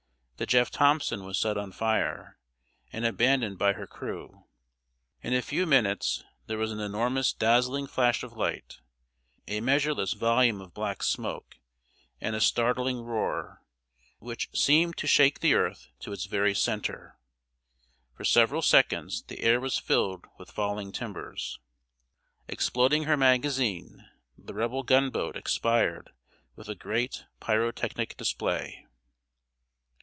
The Jeff. Thompson was set on fire and abandoned by her crew. In a few minutes there was an enormous dazzling flash of light, a measureless volume of black smoke, and a startling roar, which seemed to shake the earth to its very center. For several seconds the air was filled with falling timbers. Exploding her magazine, the Rebel gunboat expired with a great pyrotechnic display.